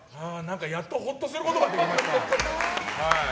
やっとほっとすることができました。